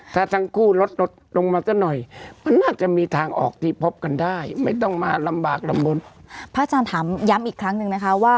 ถ้าจะลดที่ถีสเนษชต้องลดด้วยใช่ป่าว